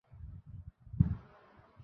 সে বেঁচে আছে কি-না তা বলতে পারছি না।